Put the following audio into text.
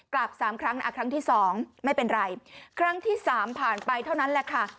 กลับสามครั้งครั้งที่สองไม่เป็นไรครั้งที่สามผ่านไปเท่านั้นแหละค่ะ